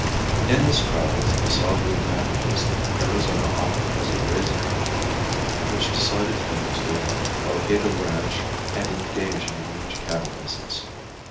In his travels he saw the advantages that Arizona offered as a grazing country, which decided him to locate a ranch and engage in the range cattle business.